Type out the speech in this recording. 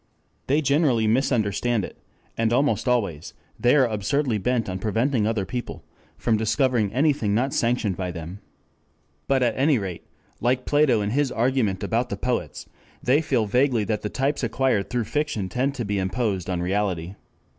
They generally misunderstand it, and almost always they are absurdly bent on preventing other people from discovering anything not sanctioned by them. But at any rate, like Plato in his argument about the poets, they feel vaguely that the types acquired through fiction tend to be imposed on reality.